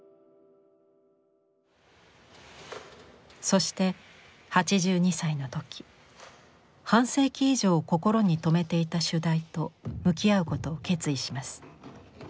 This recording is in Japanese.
そして８２歳の時半世紀以上心に留めていた主題と向き合うことを決意します。